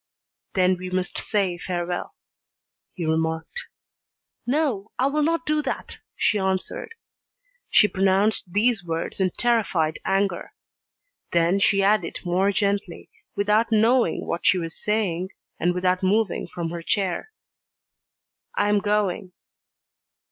"Then we must say farewell," he remarked. "No, I will not do that!" she answered. She pronounced these words in terrified anger. Then she added more gently, without knowing what she was saying, and without moving from her chair: "I am going."